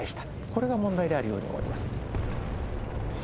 これが問題であるように思います。